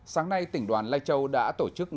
sáng nay tỉnh đoàn lai châu đã tổ chức